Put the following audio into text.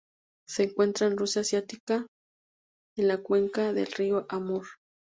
Se encuentra en Rusia asiática en la cuenca del Río Amur.